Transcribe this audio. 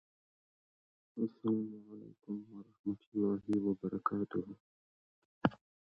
د اوریدلو هنر زده کړئ.